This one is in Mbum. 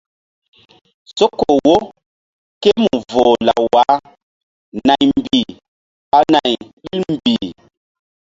Soko wo ké mu voh law wah naymbih ɓa nay ɓil mbih.